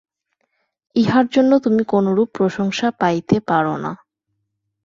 ইহার জন্য তুমি কোনরূপ প্রশংসা পাইতে পার না।